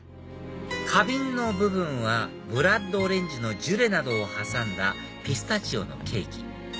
花瓶の部分はブラッドオレンジのジュレなどを挟んだピスタチオのケーキ